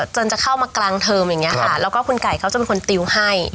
เจิญจะเข้ามากลางเทอมอย่างเงี้ยฮะครับแล้วก็คุณไก่เขาจะเป็นคนติวให้อืม